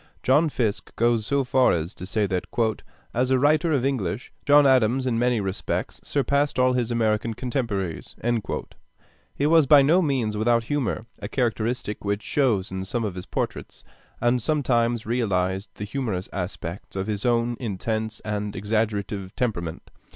John Fiske goes so far as to say that "as a writer of English, John Adams in many respects surpassed all his American contemporaries." He was by no means without humor, a characteristic which shows in some of his portraits, and sometimes realized the humorous aspects of his own intense and exaggerative temperament.